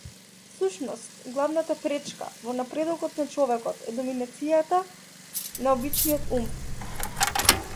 Всушност главната пречка во напредокот на човекот е доминацијатата на обичниот ум.